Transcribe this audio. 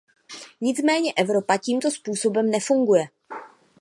Nicméně Evropa tímto způsobem nefunguje.